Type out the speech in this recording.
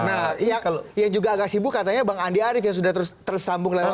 nah yang juga agak sibuk katanya bang andi arief yang sudah tersambung lewat